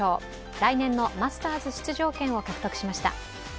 来年のマスターズ出場権を獲得しました。